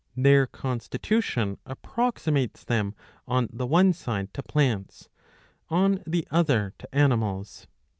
Their constitution approximates them on the one side to plants, on the other to animals.